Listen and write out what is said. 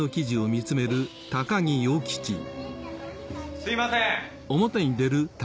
すみません！